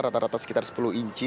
rata rata sekitar sepuluh inci